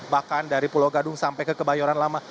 bahkan dari pulau gadung sampai ke kebayoran lama